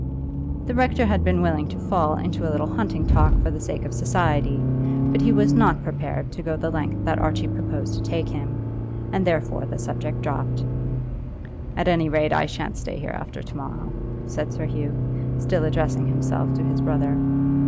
The rector had been willing to fall into a little hunting talk for the sake of society, but he was not prepared to go the length that Archie proposed to take him, and therefore the subject dropped. "At any rate I shan't stay here after to morrow," said Sir Hugh, still addressing himself to his brother.